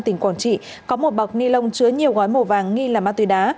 tỉnh quảng trị có một bọc ni lông chứa nhiều gói màu vàng nghi là ma túy đá